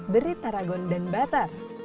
beri tarragon dan butter